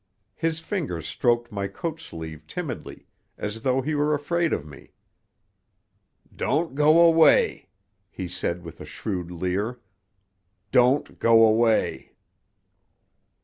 His fingers stroked my coat sleeve timidly, as though he were afraid of me. "Don't go away!" he said with a shrewd leer. "Don't go away!"